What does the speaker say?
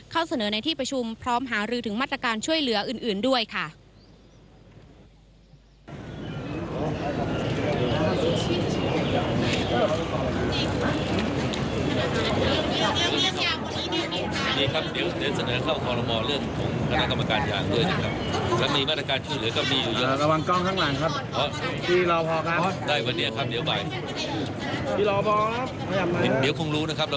เสนอในที่ประชุมพร้อมหารือถึงมาตรการช่วยเหลืออื่นด้วยค่ะ